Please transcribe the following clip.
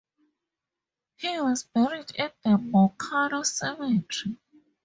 He was buried at the Monaco Cemetery.